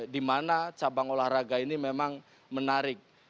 di mana cabang olahraga ini memang menarik